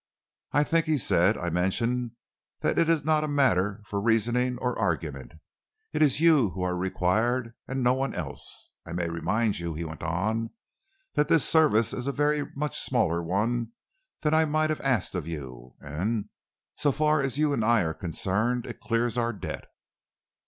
"I think," he said, "I mentioned that this is not a matter for reasoning or argument. It is you who are required, and no one else. I may remind you," he went on, "that this service is a very much smaller one than I might have asked you, and, so far as you and I are concerned, it clears our debt."